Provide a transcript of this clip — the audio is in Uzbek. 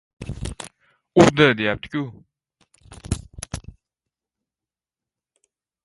— Urdi deyapti-ku.